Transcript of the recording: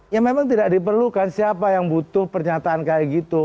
ya memang tidak diperlukan siapa yang butuh pernyataan kayak gitu